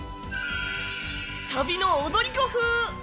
旅の踊り子風！